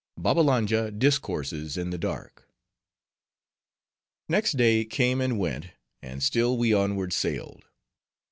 Babbalanja Discourses In The Dark Next day came and went; and still we onward sailed.